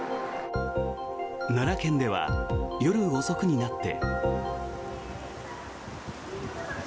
奈良県では夜遅くになって。